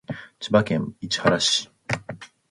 千葉県市原市